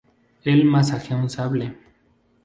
Él maneja un sable.